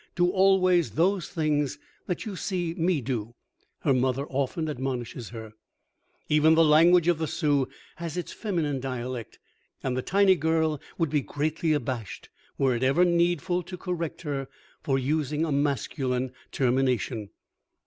Do always those things that you see me do," her mother often admonishes her. Even the language of the Sioux has its feminine dialect, and the tiny girl would be greatly abashed were it ever needful to correct her for using a masculine termination.